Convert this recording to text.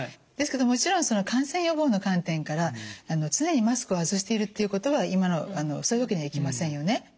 ですけどもちろん感染予防の観点から常にマスクを外しているということは今そういうわけにはいきませんよね。